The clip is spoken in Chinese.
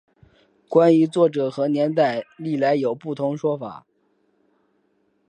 关于作者和年代历来有不同说法。